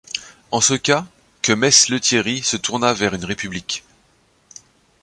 En ce cas, que mess Lethierry se tournât vers une république.